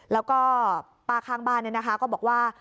แล้วก็ป้าข้างบ้านเนี่ยนะคะก็บอกว่า